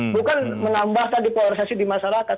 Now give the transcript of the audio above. bukan menambah tadi polarisasi di masyarakat